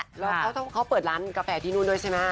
แล้วเขาเปิดร้านกาแฟที่นู่นด้วยใช่ไหม